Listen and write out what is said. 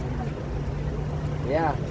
iya terima kasih bu ya